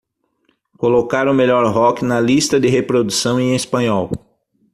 colocar o melhor rock na lista de reprodução em espanhol